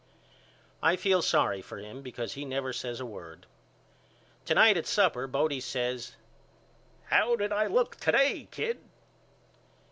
I feel sorry for him because he never says a word. To night at supper Bodie says How did I look to day Kid?